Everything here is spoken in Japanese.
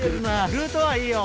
ルートはいいよ